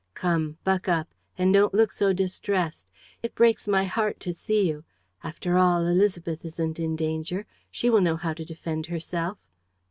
Come, buck up. And don't look so distressed. It breaks my heart to see you. After all, Élisabeth isn't in danger. She will know how to defend herself.